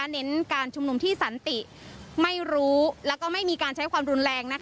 เน้นการชุมนุมที่สันติไม่รู้แล้วก็ไม่มีการใช้ความรุนแรง